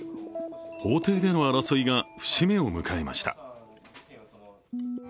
法廷での争いが節目を迎えました。